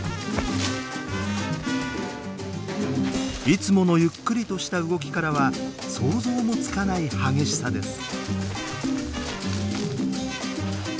いつものゆっくりとした動きからは想像もつかない激しさです。